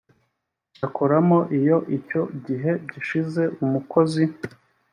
akoramo iyo icyo gihe gishize umukozi